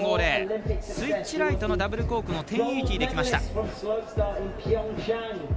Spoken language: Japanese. スイッチライトのダブルコークの１０８０できました。